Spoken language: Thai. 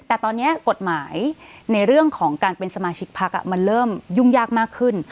แต่ตอนนี้กฎหมายในเรื่องของการเป็นสมาชิกพักมันเริ่มยุ่งยากมากขึ้น